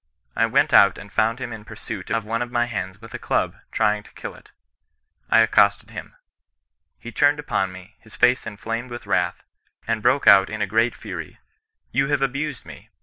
I went out and found him in pursuit of one of my hens with a club, trying to kill it. I accosted him. He turned upon me, his face inflamed with wrath, and broke out in a great fury —* You have abused me.